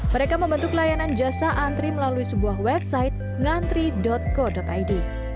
mereka membentuk layanan jasa antri melalui sebuah website ngantri co id